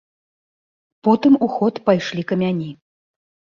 Потым у ход пайшлі камяні.